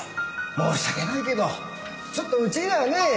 申し訳ないけどちょっとうちではねえ。